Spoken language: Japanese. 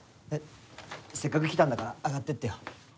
えっせっかく来たんだから上がっていってよ。